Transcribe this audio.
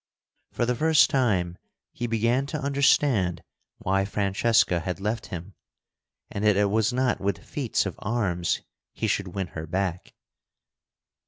For the first time he began to understand why Francesca had left him, and that it was not with feats of arms he should win her back.